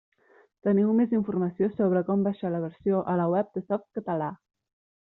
Teniu més informació sobre com baixar la versió a la web de Softcatalà.